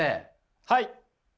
はい。